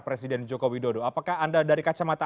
presiden joko widodo apakah anda dari kacamata